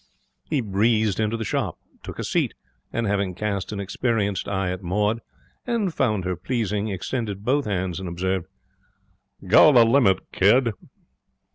He breezed into the shop, took a seat, and, having cast an experienced eye at Maud, and found her pleasing, extended both hands, and observed, 'Go the limit, kid.'